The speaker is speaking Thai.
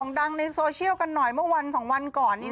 ดังในโซเชียลกันหน่อยเมื่อวัน๒วันก่อนนี้